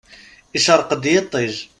Icreq-d yiṭij.